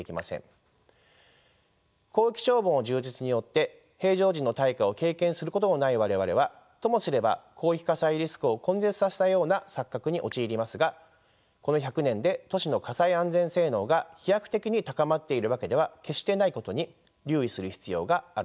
広域消防の充実によって平常時の大火を経験することのない我々はともすれば広域火災リスクを根絶させたような錯覚に陥りますがこの１００年で都市の火災安全性能が飛躍的に高まっているわけでは決してないことに留意する必要があるでしょう。